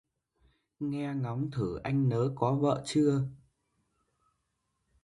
Nghe ngóng thử anh nớ có vợ chưa